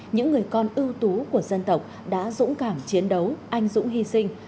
những người con ưu tú của dân tộc đã dũng cảm chiến đấu anh dũng hy sinh